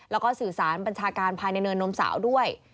แล้วก็สื่อสารบัญชาการภายในเนินนมสาวด้วย